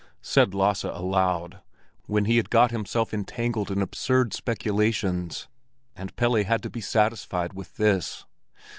said Lasse aloud, when he had got himself entangled in absurd speculations; and Pelle had to be satisfied with this.